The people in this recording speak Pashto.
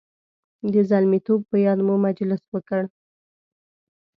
د زلمیتوب په یاد مو مجلس وکړ.